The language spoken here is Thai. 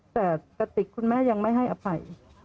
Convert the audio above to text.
แต่กระติกคุณแม่ยังไม่ให้อภัย